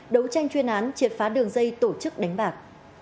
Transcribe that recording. đấu tranh chuyên án triệt phá đường dây tổ chức đánh bạc